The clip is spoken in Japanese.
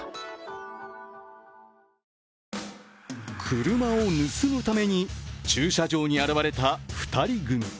車を盗むために駐車場に現れた２人組。